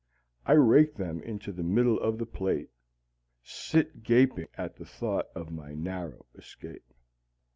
I rake them into the middle of the plate, sit gasping at the thought of my narrow escape.